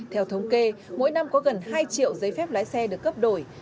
theo thống kê mỗi năm có gần hai triệu giấy phép lái xe được cấp đổi